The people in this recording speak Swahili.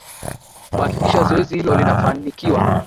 kuhakikisha zoezi hilo linafanikiwa